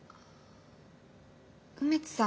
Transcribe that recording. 梅津さん。